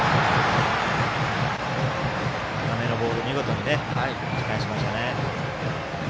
高めのボールを見事に打ち返しましたね。